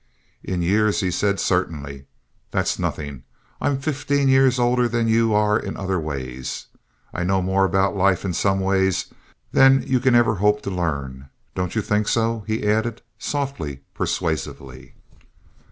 "In years," he said, "certainly. That's nothing. I'm fifteen years older than you are in other ways. I know more about life in some ways than you can ever hope to learn—don't you think so?" he added, softly, persuasively.